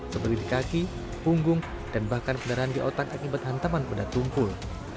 seperti di kaki punggung dan bahkan pendarahan di otak akibat hantaman benda tumpul